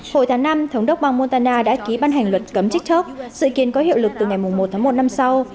hồi tháng năm thống đốc bang montana đã ký ban hành luật cấm tiktok dự kiến có hiệu lực từ ngày một tháng một năm sau